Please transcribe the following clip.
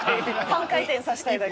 半回転させたいだけ。